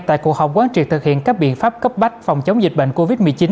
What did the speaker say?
tại cuộc họp quán triệt thực hiện các biện pháp cấp bách phòng chống dịch bệnh covid một mươi chín